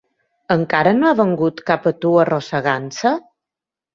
Encara no ha vingut cap a tu arrossegant-se?